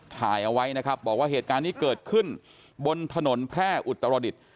ถ่ายเอาไว้นะครับบอกว่าเหตุการณ์นี้เกิดขึ้นบนถนนแพร่อุตรดิษฐ์